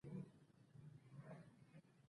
او د اسلام آباد ادبي سازمانونو تر سخت غبرګون وروسته